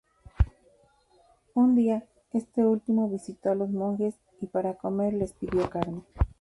Un día, este último visitó a los monjes y, para comer, les pidió carne.